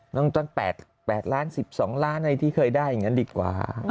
น้องจ้อยแปลก๘ล้าน๑๒ล้านที่เคยได้อย่างนั้นดีกว่า